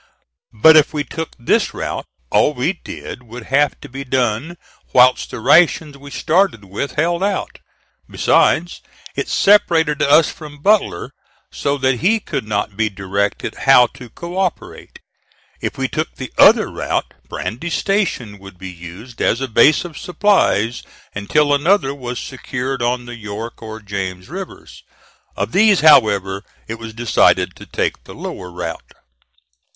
But if we took this route, all we did would have to be done whilst the rations we started with held out; besides, it separated us from Butler, so that he could not be directed how to cooperate. If we took the other route, Brandy Station could be used as a base of supplies until another was secured on the York or James rivers. Of these, however, it was decided to take the lower route.